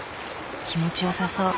気持ちよさそう。